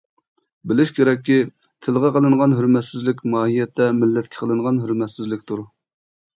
بىلىش كېرەككى، تىلغا قىلىنغان ھۆرمەتسىزلىك ماھىيەتتە مىللەتكە قىلىنغان ھۆرمەتسىزلىكتۇر.